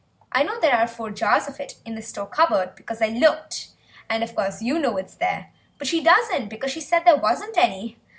I know there are four jars of it in the store cupboard, because I looked, and of course you know it's there, but she doesn't, because she said there wasn't any.